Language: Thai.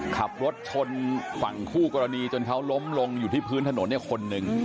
ขับรถชนฝั่งคู่กรณีจนเขาล้มลงอยู่ที่พื้นถนนเนี่ยคนหนึ่ง